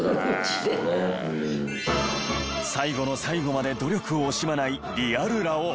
最後の最後まで努力を惜しまないリアルラオウ